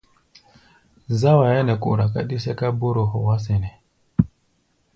Záwaya nɛ́ kora káɗí sɛ́ká bóóro hɔá sɛnɛ́.